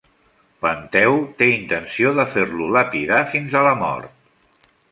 Penteu té intenció de fer-lo lapidar fins a la mort.